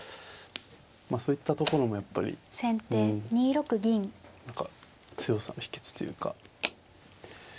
まあそういったところもやっぱり何か強さの秘けつというか。